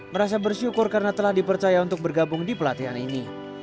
merasa bersyukur karena telah dipercaya untuk bergabung di pelatihan ini